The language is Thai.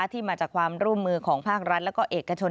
ที่มาจากความร่วมมือของภาครัฐและก็เอกชน